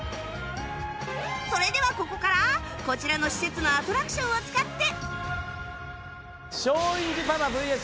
それではここからこちらの施設のアトラクションを使って